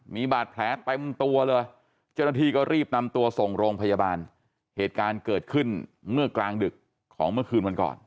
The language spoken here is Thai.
มีบาดแผลเต็มตัวเลยเจ้าหน้าที่ก็รีบนำตัวส่งโรงพยาบาลเหตุการณ์เกิดขึ้นเมื่อกลางดึกของเมื่อคืนวันก่อน